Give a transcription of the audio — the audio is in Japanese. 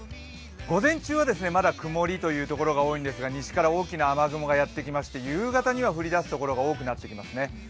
午前中はまだ曇りというところが多いんですが西から大きな雨雲がやってきまして、夕方には降り出す所が多いですね。